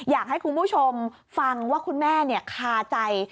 อยากให้คุณผู้ชมฟังว่าคุณแม่คาใจ